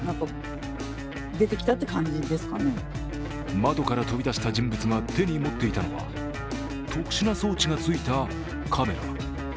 窓から飛び出した人物が手に持っていたのは特殊な装置がついたカメラ。